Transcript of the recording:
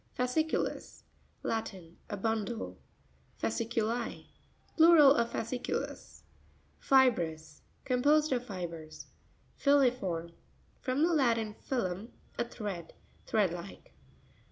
Fascr'cutus.—Latin. A bundle. Fasci'cut1.—Plural of fasciculus. Fi'srous.—Composed of fibres. Fiui'rorm.—From the Latin, filum, a thread. Thread like.